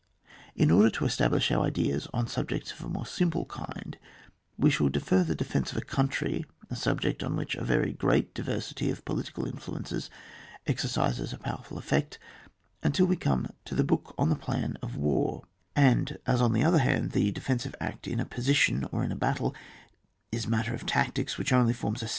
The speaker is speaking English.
In order to establish our ideas on subjects of a more simple kind, we shall defer the defence of a country, a subject on which a very great diversity of political influences exercises a powerful effect, until we come to the Book on the Plan of War; and as on the other hand, the defensive act in a position or in a battle is matter of tactics, which only forms a.